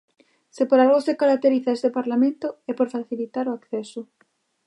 Se por algo se caracteriza este Parlamento é por facilitar o acceso.